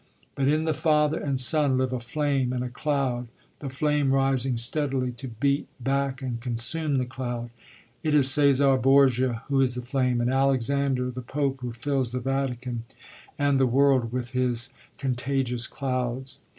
But in the father and son live a flame and a cloud, the flame rising steadily to beat back and consume the cloud. It is Cæsar Borgia who is the flame, and Alexander the Pope who fills the Vatican and the world with his contagious clouds.